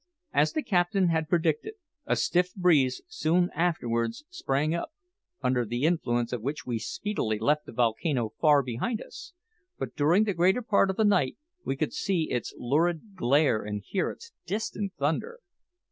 As the captain had predicted, a stiff breeze soon afterwards sprang up, under the influence of which we speedily left the volcano far behind us; but during the greater part of the night we could see its lurid glare and hear its distant thunder.